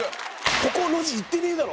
ここの路地行ってねえだろ！